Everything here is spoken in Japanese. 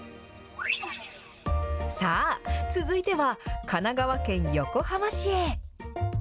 さあ、続いては、神奈川県横浜市へ。